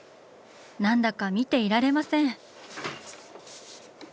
何だか見ていられません！